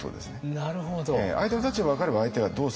なるほど。